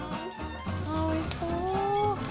ああおいしそう。